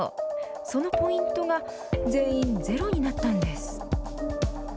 そのポイントが全員ゼロになったんです。